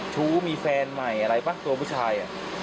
ชู้มีแฟนใหม่อะไรบ้างตัวผู้ชาย